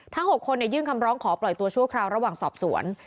๖คนยื่นคำร้องขอปล่อยตัวชั่วคราวระหว่างสอบสวน